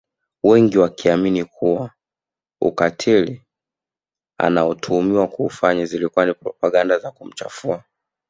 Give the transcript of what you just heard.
Wengi wakiamini kuwa ukatili anaotuhumiwa kuufanya zilikuwa ni propaganda za kumchafua